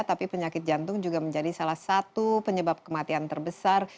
tapi penyakit jantung juga menjadi salah satu penyebab kematian terbesar